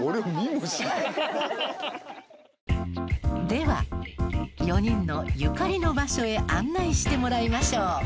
では４人のゆかりの場所へ案内してもらいましょう。